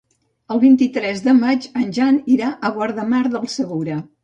El vint-i-tres de maig en Jan irà a Guardamar del Segura.